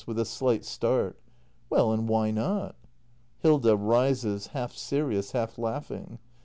[With a slight start.] Well, and why not? Hilda. [Rises, half serious, half laughing.